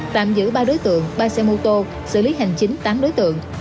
tạm giữ ba đối tượng ba xe mô tô xử lý hành chính tám đối tượng